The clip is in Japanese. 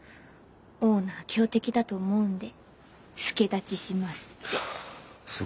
「オーナー強敵だと思うんで助太刀します」って。